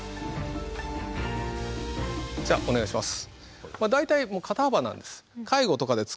じゃあお願いします。